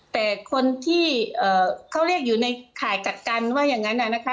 แต่คนที่เขาเรียกอยู่ในข่ายกักกันว่าอย่างนั้นนะคะ